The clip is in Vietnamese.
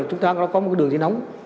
chúng ta có một cái đường dây nóng